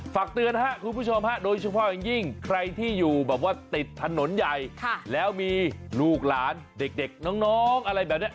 ฝากเตือนครับคุณผู้ชมฮะโดยเฉพาะอย่างยิ่งใครที่อยู่แบบว่าติดถนนใหญ่แล้วมีลูกหลานเด็กน้องอะไรแบบนี้